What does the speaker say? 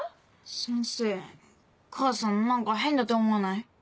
先生母さん何か変だと思わない？